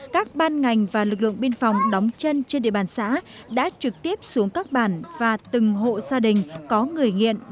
các ban ngành và lực lượng biên phòng đóng chân trên địa bàn xã đã trực tiếp xuống các bản và từng hộ gia đình có người nghiện